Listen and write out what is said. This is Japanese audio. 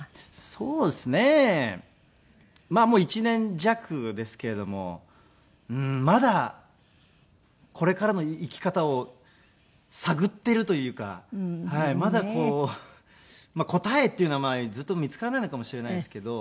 そうですねまあもう１年弱ですけれどもまだこれからの生き方を探っているというかまだこう答えっていうのはずっと見つからないのかもしれないですけど。